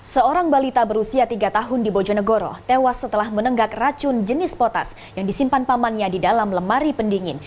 seorang balita berusia tiga tahun di bojonegoro tewas setelah menenggak racun jenis potas yang disimpan pamannya di dalam lemari pendingin